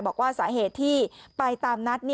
บอกว่าสาเหตุที่ไปตามนัด